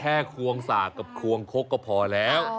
แค่ควงศาสตร์กับควงคกก็พอแล้ว